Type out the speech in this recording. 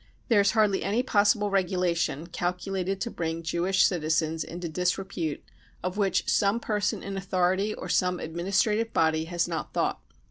There is hardly any possible regulation calculated to bring Jewish citizens into disrepute of which some person in authority or some administrative body has not thought.